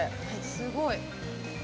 すごい。